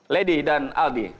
lady dan aldi